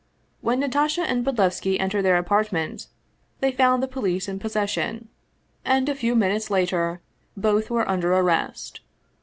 When Natasha and Bodlevski entered their apartment, they found the police in posses sion, and a few minutes later both were under arrest.